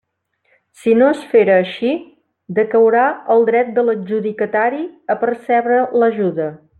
Si no es fera així, decaurà el dret de l'adjudicatari a percebre l'ajuda.